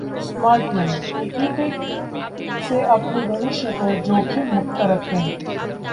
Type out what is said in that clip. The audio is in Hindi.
स्मार्ट मनी: इक्विटी से अपने भविष्य को जोखिम मुक्त रखें